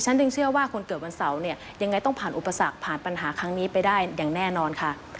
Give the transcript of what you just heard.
จึงเชื่อว่าคนเกิดวันเสาร์เนี่ยยังไงต้องผ่านอุปสรรคผ่านปัญหาครั้งนี้ไปได้อย่างแน่นอนค่ะ